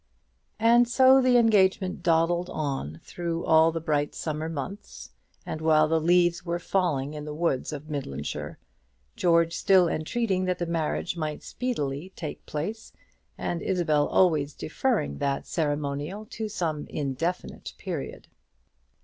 And so the engagement dawdled on through all the bright summer months; and while the leaves were falling in the woods of Midlandshire, George still entreating that the marriage might speedily take place, and Isabel always deferring that ceremonial to some indefinite period.